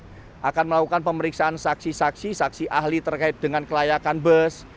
kami akan melakukan pemeriksaan saksi saksi saksi ahli terkait dengan kelayakan bus